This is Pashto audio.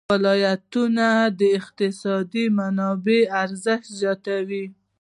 ولایتونه د اقتصادي منابعو ارزښت ډېر زیاتوي.